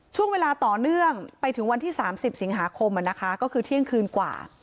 ช่วงเวลาต่อเนื่องไปถึงวันที่๓๐สิงหาคมก็คือเที่ยงคืนกว่า